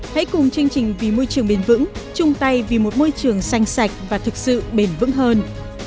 hãy cùng chương trình vì môi trường bền vững chung tay vì một môi trường xanh sạch và thực sự bền vững hơn